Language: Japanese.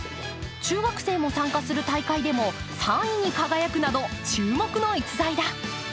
中学生も参加する大会でも３位に輝くなど注目の逸材だ。